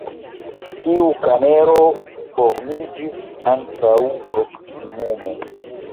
Tiu kamero formiĝis antaŭ proksimume.